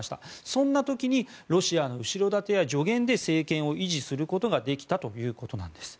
そんな時にロシアの後ろ盾や助言で政権を維持することができたというわけなんです。